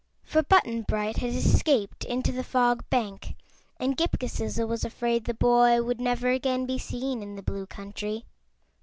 For Button Bright had escaped into the Fog Bank and Ghip Ghisizzle was afraid the boy would never again be seen in the Blue Country.